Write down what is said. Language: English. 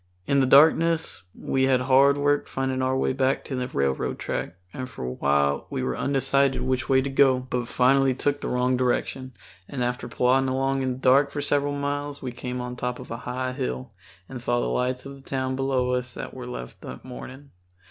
In the darkness we had hard work finding our way back to the railroad track, and for a while were undecided which way to go, but finally took the wrong direction, and after plodding along in the dark for several miles we came on top a high hill and saw the lights of the town below us that we left that morning.